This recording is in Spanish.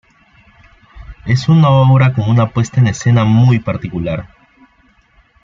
Es una obra con una puesta en escena muy particular.